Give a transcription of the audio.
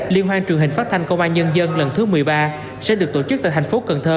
liên hoan truyền hình phát thanh công an nhân dân lần thứ một mươi ba sẽ được tổ chức tại thành phố cần thơ